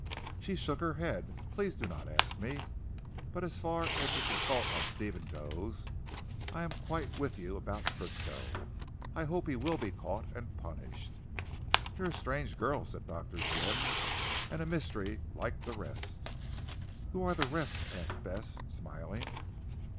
She shook her head. "Please do not ask me, but as far as this assault on Stephen goes, I am quite with you about Frisco. I hope he will be caught and punished." "You are a strange girl," said Dr. Jim, "and a mystery like the rest." "Who are the rest?" asked Bess smiling.